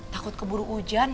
takut keburu hujan